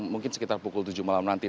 mungkin sekitar pukul tujuh malam nanti